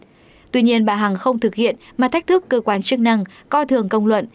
bà nguyễn phương hằng không thực hiện mà thách thức cơ quan chức năng co thường công luận